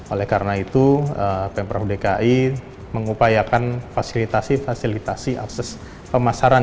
oleh karena itu pemprov dki mengupayakan fasilitasi fasilitasi akses pemasaran